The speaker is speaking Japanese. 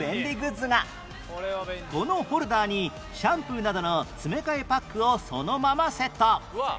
このホルダーにシャンプーなどの詰め替えパックをそのままセット